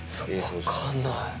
分かんない。